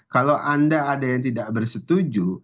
kalau anda ada yang tidak bersetuju